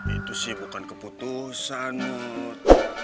itu sih bukan keputusan mut